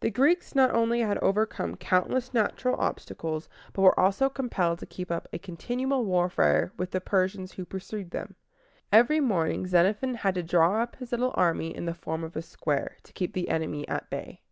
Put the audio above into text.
The Greeks not only had to overcome countless natural obstacles, but were also compelled to keep up a continual warfare with the Persians who pursued them. Every morning Xenophon had to draw up his little army in the form of a square, to keep the enemy at bay.